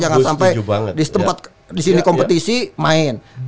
jangan sampai di tempat di sini kompetisi main